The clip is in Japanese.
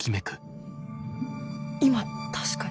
今確かに。